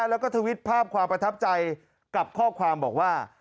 แล้วก็ทวิตภาพความประทับใจกับข้อความบอกว่า